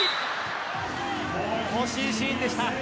惜しいシーンでした。